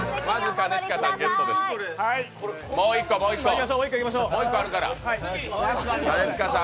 もう一個、もう一個あるから。